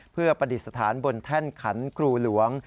เพื่อประดิษฐานบนแท่นขันครูหลวง